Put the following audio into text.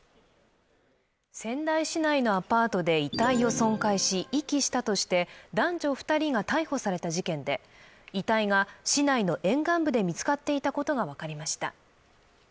仙台市内のアパートで遺体を損壊し、遺棄したとして男女２人が逮捕された事件で遺体が市内の沿岸部で見つかっていたことが分かりました。